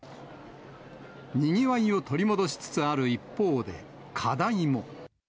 にぎわいを取り戻しつつある一方で、課題も。